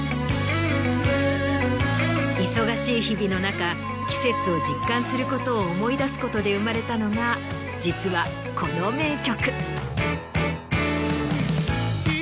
忙しい日々の中季節を実感することを思い出すことで生まれたのが実はこの名曲。